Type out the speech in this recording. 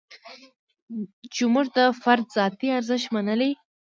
چې موږ د فرد ذاتي ارزښت منلی.